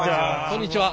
こんにちは。